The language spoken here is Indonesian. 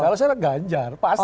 kalau saya ganjar pasti